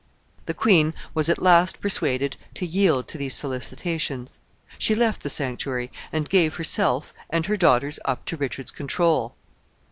The queen was at last persuaded to yield to these solicitations. She left the sanctuary, and gave herself and her daughters up to Richard's control.